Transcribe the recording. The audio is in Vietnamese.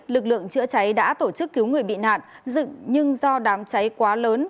lực lượng chữa cháy đã tổ chức cứu người bị nạn dựng nhưng do đám cháy quá lớn